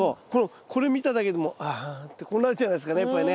これ見ただけでも「ああ」ってこうなっちゃいますからねやっぱりね。